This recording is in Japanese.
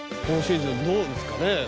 今シーズンどうですかね？